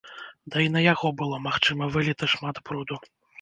Да і на яго было, магчыма, выліта шмат бруду.